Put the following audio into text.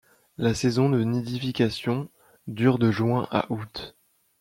La saison de nidification dure de juin à août.